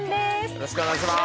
よろしくお願いします